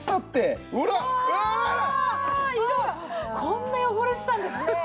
こんな汚れてたんですね。